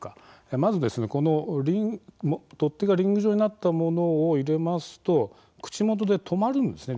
まず取っ手がリング状になったものを入れますと口元で止まるんです。